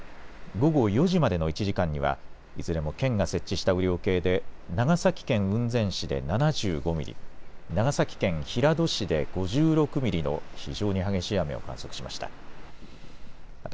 午後４時までの１時間には、いずれも県が設置した雨量計で、長崎県雲仙市で７５ミリ、長崎県平戸市で５６ミリの非常に激しい雨を観測しました。